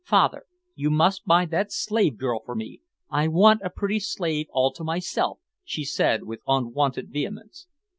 "Father, you must buy that slave girl for me. I want a pretty slave all to myself," she said, with unwonted vehemence.